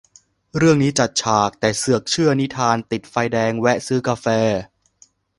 เรื่องนี้ก็จัดฉาก แต่เสือกเชื่อนิทานติดไฟแดงแวะซื้อกาแฟ